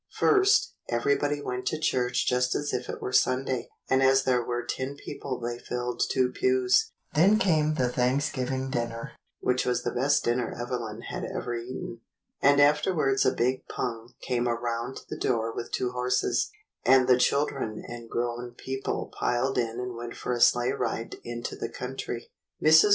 First, everybody went to church just as if it were Sunday, and as there were ten people they filled two pews; then came the Thanksgiving dinner, which was the best dinner Evelyn had ever eaten; and after wards a big pung came around to the door with two horses, and the children and grown people piled in and went for a sleigh ride into the country. Mrs.